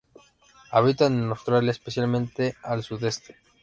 Habitan en Australia, especialmente al sudeste.